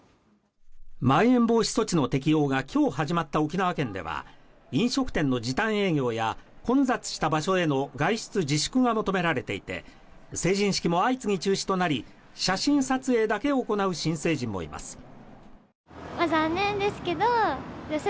まん延防止措置の適用が今日始まった沖縄県では飲食店の時短営業や混雑した場所への外出自粛が求められていて成人式も相次ぎ中止となり、写真撮影だけを行う新成人もいます。